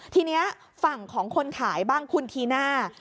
ทีนี้ฝั่งของคนขายบ้างคุณธีน่า